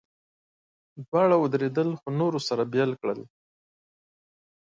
دواړه ودرېدل، خو نورو سره بېل کړل.